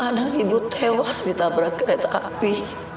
kadang ibu tewas ditabrak kereta api